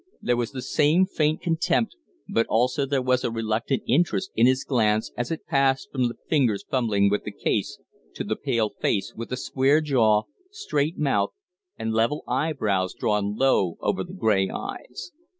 There was the same faint contempt, but also there was a reluctant interest in his glance, as it passed from the fingers fumbling with the case to the pale face with the square jaw, straight mouth, and level eyebrows drawn low over the gray eyes.